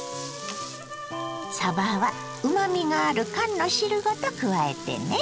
さばはうまみがある缶の汁ごと加えてね。